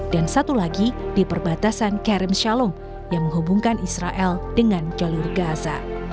dan satu lagi di perbatasan kerem shalom yang menghubungkan israel dengan jalur gaza